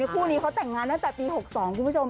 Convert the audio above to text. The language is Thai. คู่นี้เขาแต่งงานตั้งแต่ปี๖๒คุณผู้ชม